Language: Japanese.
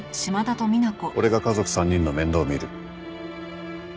俺が家族３人の面倒を見る。